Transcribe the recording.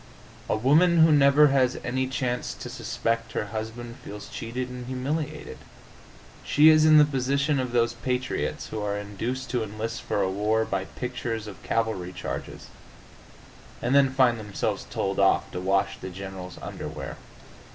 A woman who never has any chance to suspect her husband feels cheated and humiliated. She is in the position of those patriots who are induced to enlist for a war by pictures of cavalry charges, and then find themselves told off to wash the general's underwear.